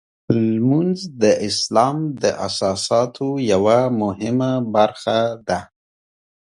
لمونځ د اسلام د اساساتو یوه مهمه برخه ده.